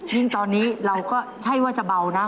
ยิ่งตอนนี้เราก็ใช่ว่าจะเบานะ